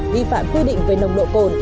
vi phạm quy định về nồng độ cồn